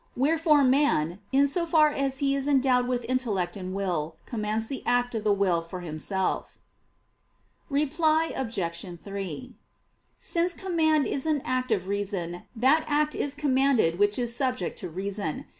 Wherefore man, in so far as he is endowed with intellect and will, commands the act of the will for himself. Reply Obj. 3: Since command is an act of reason, that act is commanded which is subject to reason.